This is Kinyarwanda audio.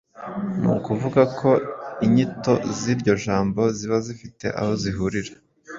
Ni ukuvuga ko inyito z’iryo jambo ziba zifite aho zihurira,